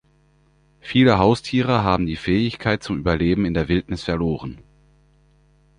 Viele Haustiere haben die Fähigkeit zum Überleben in der Wildnis verloren.